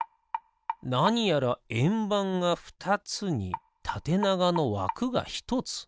なにやらえんばんがふたつにたてながのわくがひとつ。